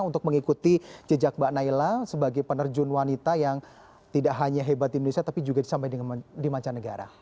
untuk mengikuti jejak mbak naila sebagai penerjun wanita yang tidak hanya hebat di indonesia tapi juga sampai di mancanegara